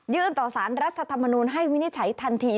ต่อสารรัฐธรรมนูลให้วินิจฉัยทันที